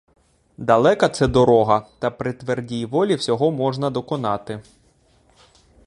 Далека це дорога, та при твердій волі всього можна доконати.